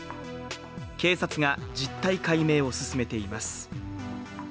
警察が実態解明を進めています。